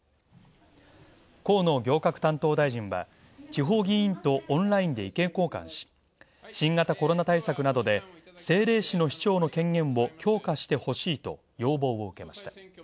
河野行革担当大臣は、地方議員とオンラインで意見交換し新型コロナ対策などで、政令市の市長の権限を強化して欲しいと要望を受けました。